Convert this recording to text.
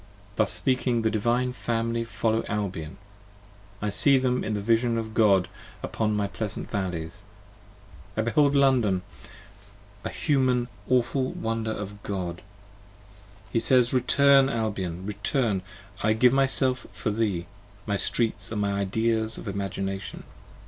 Thus speaking, the Divine Family follow Albion: I see them in the Vision of God upon my pleasant valleys. I behold London ; a Human awful wonder of God ! 30 He says, Return, Albion, return! I give myself for thee: My Streets are my Ideas of Imagination.